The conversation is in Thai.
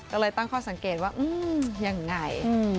ก็เลยตั้งข้อสังเกตว่ายังไง